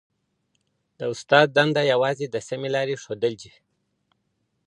د استاد دنده یوازې د سمې لارې ښودل دي.